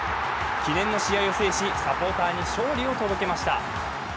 記念の試合を制し、サポーターに勝利を届けました。